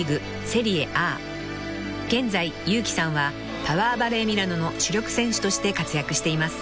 ［現在祐希さんはパワーバレー・ミラノの主力選手として活躍しています］